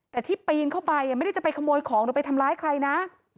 แต่ที่ปีนเข้าไปไม่ได้จะไปขโมยของหรือไปทำร้ายใครนะ